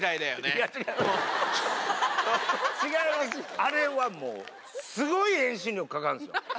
あれはもうスゴい遠心力かかるんですよ。